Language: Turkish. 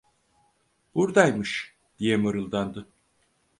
Burdaymış! diye mırıldandı.